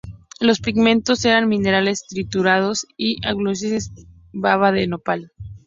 Los pigmentos eran minerales triturados y el aglutinante baba de nopal.